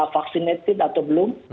vaksinatid atau belum